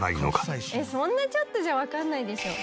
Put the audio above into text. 「そんなちょっとじゃわかんないでしょ」